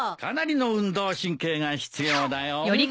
かなりの運動神経が必要だよ。